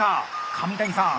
上谷さん